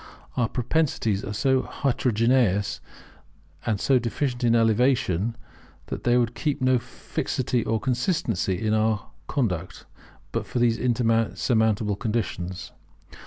Our propensities are so heterogeneous and so deficient in elevation, that there would be no fixity or consistency in our conduct, but for these insurmountable conditions.